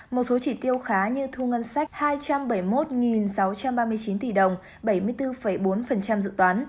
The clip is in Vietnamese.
một số chỉ tiêu khá như thu ngân sách hai trăm bảy mươi một sáu trăm ba mươi chín tỷ đồng bảy mươi bốn bốn dự toán